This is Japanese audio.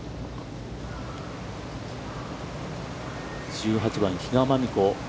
１８番、比嘉真美子。